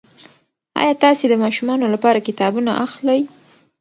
ایا تاسي د ماشومانو لپاره کتابونه اخلئ؟